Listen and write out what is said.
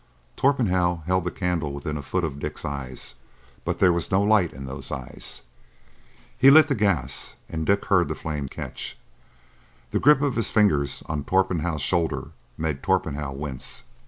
Torpenhow held the candle within a foot of Dick's eyes, but there was no light in those eyes. He lit the gas, and Dick heard the flame catch. The grip of his fingers on Torpenhow's shoulder made Torpenhow wince.